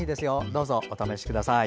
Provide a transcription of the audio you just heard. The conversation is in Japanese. どうぞお試しください。